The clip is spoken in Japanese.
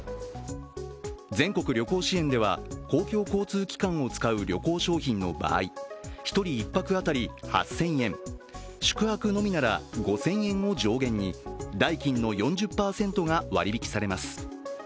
全国旅行支援では、公共交通機関を使う旅行商品の場合、１人１泊当たり８０００円、宿泊のみなら５０００円を上限に代金の４０％が割り引きされます。